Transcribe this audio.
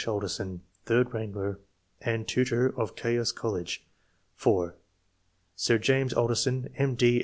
Alderson, third wrangler, and tutor of Caius College ; (4) Sir James Alderson, M.